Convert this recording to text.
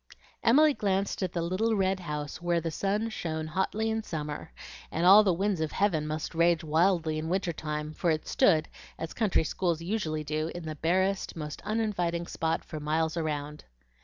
Emily glanced at the little red house where the sun shone hotly in summer, and all the winds of heaven must rage wildly in winter time, for it stood, as country schools usually do, in the barest, most uninviting spot for miles around.